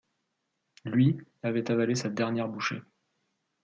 Lui, avait avalé sa dernière bouchée.